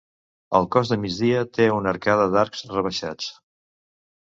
El cos de migdia té una arcada d'arcs rebaixats.